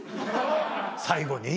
最後に。